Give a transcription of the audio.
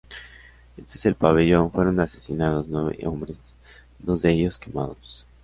En este pabellón fueron asesinados nueve hombres, dos de ellos quemados.